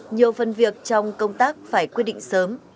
nhiều phần việc trong công tác phải quyết định sớm